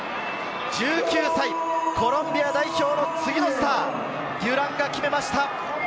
１９歳、コロンビア代表の次のスター、デュランが決めました！